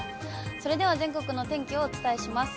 それでは全国の天気をお伝えします。